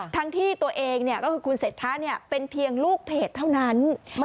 ทั้งที่ตัวเองก็คือคุณเศรษฐะเป็นเพียงลูกเพจเท่านั้น